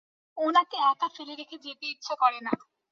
উনাকে একা ফেলে রেখে যেতে ইচ্ছা করে না।